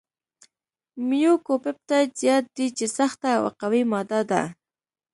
میوکوپپټایډ زیات دی چې سخته او قوي ماده ده.